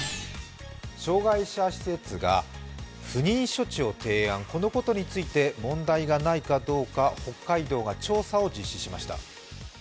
障害者施設が不妊処置を提案、このことについて問題がないかどうか北海道が調査を実施しました。